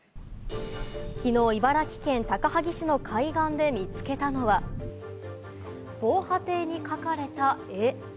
きのう、茨城県高萩市の海岸で見つけたのは、防波堤に描かれた絵。